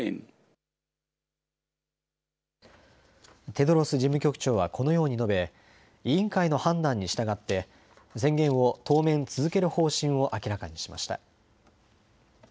テドロス事務局長はこのように述べ、委員会の判断に従って宣言を当面、続ける方針を明らかにしました。